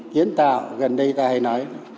kiến tạo gần đây ta hay nói